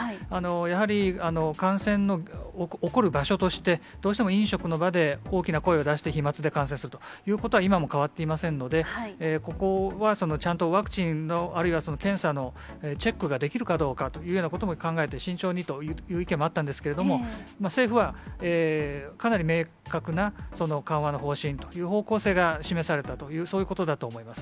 やはり感染の起こる場所として、どうしても飲食の場で大きな声を出して、飛まつで感染するということは、今も変わっていませんので、ここはちゃんとワクチンの、あるいは検査のチェックができるかどうかというようなことも考えて、慎重にという意見もあったんですけれども、政府は、かなり明確な緩和の方針という方向性が示されたという、そういうことだと思い